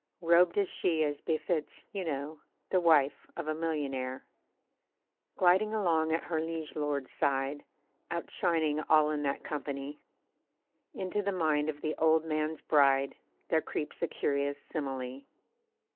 Robed is she, as befits, you know, The wife of a millionaire. Gliding along at her liege lord's side, Out shining all in that company, Into the mind of the old man's bride There creeps a curious simile.